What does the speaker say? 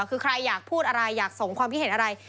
คือใครอยากพูดอะไรอยากส่งความคิดเห็นอะไร